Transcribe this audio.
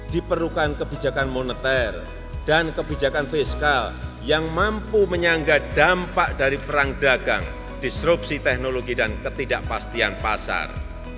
diperlukan kebijakan moneter dan kebijakan fiskal yang mampu menyangga dampak dari perang dagang disrupsi teknologi dan ketidakpastian pasar